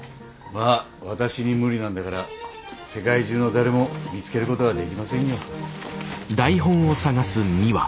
まあ私に無理なんだから世界中の誰も見つけることはできませんよ。